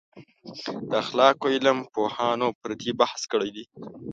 د اخلاقو علم پوهانو پر دې بحث کړی دی.